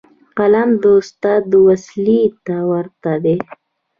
قلم د استاد وسلې ته ورته دی.